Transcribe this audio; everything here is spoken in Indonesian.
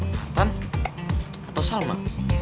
nathan atau salma